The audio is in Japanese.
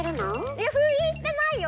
いや封印してないよ。